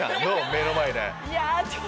目の前で。